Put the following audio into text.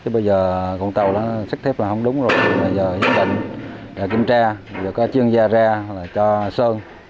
bây giờ con tàu xích thép là không đúng rồi bây giờ dân định đã kiểm tra bây giờ có chuyên gia ra cho sơn